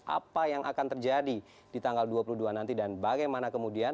apa yang akan terjadi di tanggal dua puluh dua nanti dan bagaimana kemudian